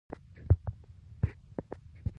خوړل د ګل پر شان دی